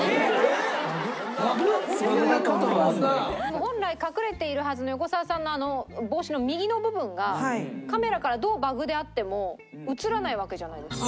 本来隠れているはずの横澤さんの帽子の右の部分がカメラからどうバグであっても写らないわけじゃないですか。